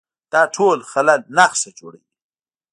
دا ټول خلل نښه جوړوي